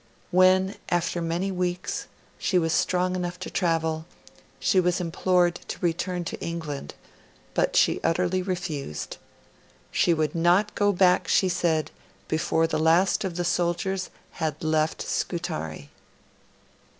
When, after many weeks, she was strong enough to travel, she was implored to return to England, but she utterly refused. She would not go back, she said, before the last of the soldiers had left Scutari.